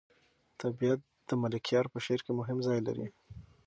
طبیعت د ملکیار په شعر کې مهم ځای لري.